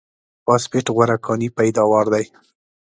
فاسفېټ غوره کاني پیداوار دی.